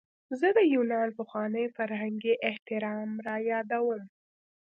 زه د یونان پخوانی فرهنګي احترام رایادوم.